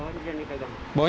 ini yang dipegang